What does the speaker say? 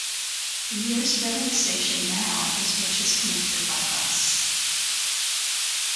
The nearest railway station now is which is connected by bus.